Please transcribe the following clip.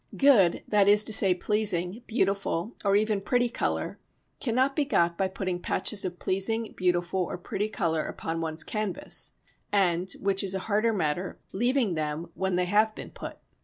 Good, that is to say, pleasing, beautiful, or even pretty colour cannot be got by putting patches of pleasing, beautiful or pretty colour upon one's canvas and, which is a harder matter, leaving them when they have been put.